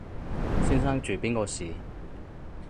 先生住邊個巿？